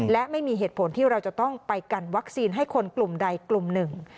และไม่มีเหตุผลที่เราจะต้องไปกันวัคซีนให้คนกลุ่มใดกลุ่มหนึ่ง